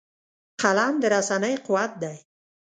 قلم د رسنۍ قوت دی